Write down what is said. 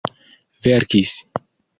verkis